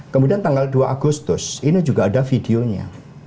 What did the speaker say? kemudian tanggal dua agustus ini juga ada videonya